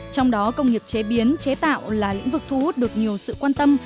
trong đó công nghiệp chế biến chế tạo là lĩnh vực thu hút được nhiều sự quan tâm